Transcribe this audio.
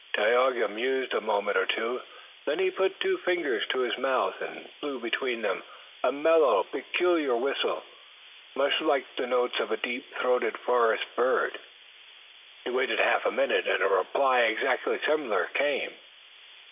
Tayoga mused a moment or two. Then he put two fingers to his mouth and blew between them a mellow, peculiar whistle, much like the notes of a deep throated forest bird. He waited half a minute and a reply exactly similar came.